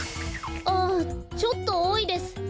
ああちょっとおおいです。